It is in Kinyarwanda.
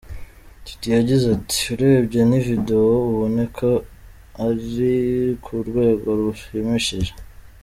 Titie yagize ati “ Urebye ni video ubonako iri ku rwego rushimishije.